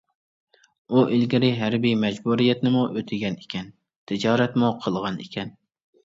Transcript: ئۇ ئىلگىرى ھەربىي مەجبۇرىيەتنىمۇ ئۆتىگەن ئىكەن، تىجارەتمۇ قىلغان ئىكەن.